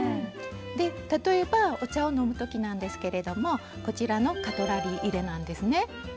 で例えばお茶を飲む時なんですけれどもこちらのカトラリー入れなんですね。